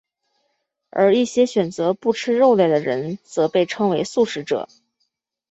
而一些选择不吃肉类的人则被称为素食者。